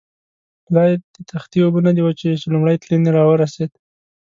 لایې د تختې اوبه نه دي وچې، چې لومړی تلین یې را ورسېد.